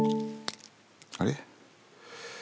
あれ？